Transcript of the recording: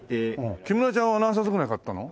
木村ちゃんは何冊ぐらい買ったの？